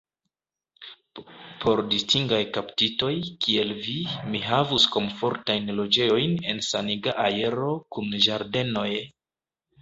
Por distingaj kaptitoj, kiel vi, mi havus komfortajn loĝejojn en saniga aero, kun ĝardenoj.